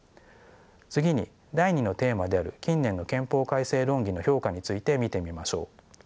次に第２のテーマである近年の憲法改正論議の評価について見てみましょう。